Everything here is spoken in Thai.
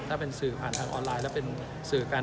ถ้าเป็นสื่อผ่านทางออนไลน์แล้วเป็นสื่อกัน